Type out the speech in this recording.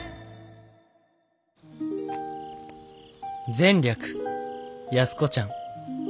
「前略安子ちゃん。